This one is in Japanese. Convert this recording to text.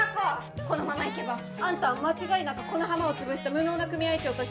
このまま行けばあんたは間違いなくこの浜を潰した無能な組合長として終わる。